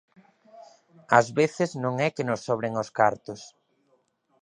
Ás veces non é que nos sobren os cartos.